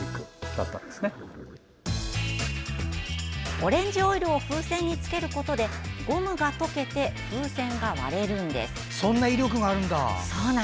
オレンジオイルを風船につけることでゴムが溶けて風船が割れるんです。